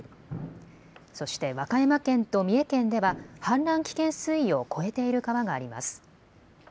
そして和歌山県と三重県では氾濫危険水位を超えている川があります。